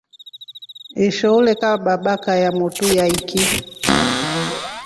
Isho ulekaba baka yamotru yaiki.